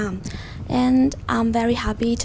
được xây dựng